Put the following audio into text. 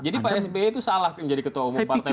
jadi pak sbe itu salah menjadi ketua umum partai menurut anda